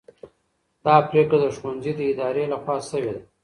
دا پرېکړه د ښوونځي د ادارې لخوا سوې ده.